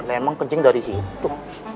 emang kecing dari situ